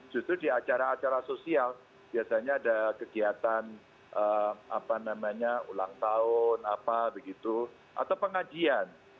justru di acara acara sosial biasanya ada kegiatan ulang tahun atau pengajian